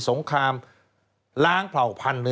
สวัสดีค่ะต้อนรับคุณบุษฎี